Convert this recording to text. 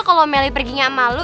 kalau meli pergi sama lo